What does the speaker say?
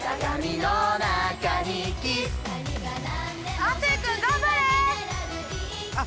亜生君頑張れ！あっ！